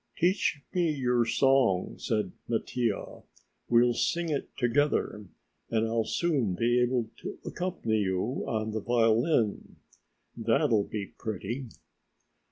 "Teach me your song," said Mattia; "we'll sing it together, and I'll soon be able to accompany you on the violin. That'll be pretty."